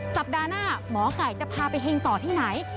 สัปดาห์หน้าหมอไก่จะพาไปเฮงต่อที่ไหน